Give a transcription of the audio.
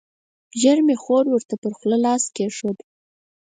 ژر مې خور ورته پر خوله لاس کېښود.